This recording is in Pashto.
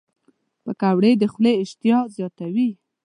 پکورې د خولې اشتها زیاتوي